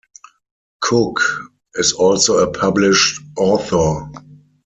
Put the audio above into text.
Cook is also a published author.